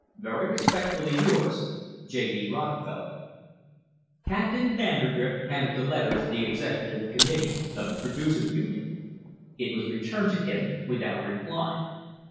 Very respectfully yours, J. D. Rockefeller." Captain Vandergrift handed the letter to the executive committee of the Producers' Union. It was returned to him without a reply.